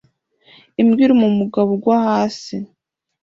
Imbwa iruma umugabo ugwa hasi